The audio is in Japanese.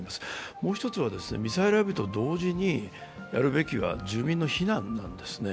もう１つは、ミサイル選びと同時にやるべきは住民の避難なんですね。